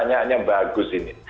pertanyaan yang bagus ini